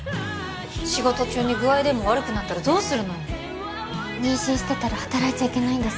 仕事中に具合でも悪くなったらどうするのよ妊娠してたら働いちゃいけないんですか